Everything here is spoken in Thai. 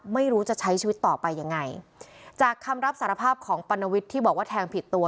ไม่รู้จะใช้ชีวิตต่อไปยังไงจากคำรับสารภาพของปรณวิทย์ที่บอกว่าแทงผิดตัว